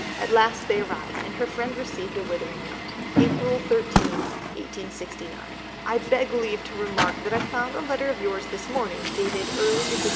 At last they arrived, and her friend received a withering note: "April 13, 1869. I beg leave to remark that I found a letter of yours this morning dated early in Dec.